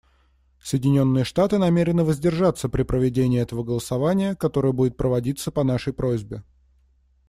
Соединенные Штаты намерены воздержаться при проведении этого голосования, которое будет проводиться по нашей просьбе.